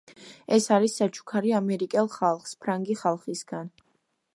ეს არის საჩუქარი ამერიკელ ხალხს, ფრანგი ხალხისგან.